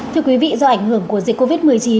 thưa quý vị do ảnh hưởng của dịch covid một mươi chín